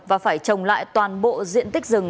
và phải trồng lại toàn bộ diện tích rừng